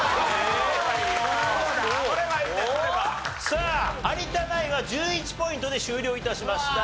さあ有田ナインは１１ポイントで終了致しました。